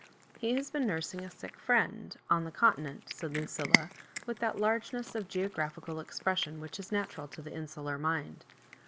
" He has been nureing a sick friend on — the Continent," said Lucilla, with that largeness of geographical expression which is natural to the insular mind.